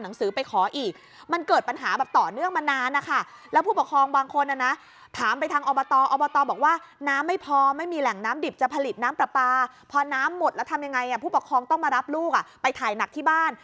แล้วทำยังไงผู้ปกครองต้องมารับลูกไปถ่ายหนักที่บ้าน